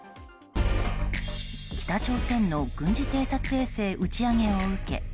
北朝鮮の軍事偵察衛星打ち上げを受け